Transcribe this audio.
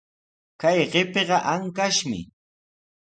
Kay qipiqa ankashmi.